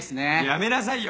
やめなさいよ！